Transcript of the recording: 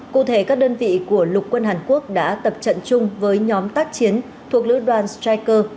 cụ thể các đơn vị của lục quân hàn quốc đã tập trận chung với nhóm tác chiến thuộc lữ đoàn streacer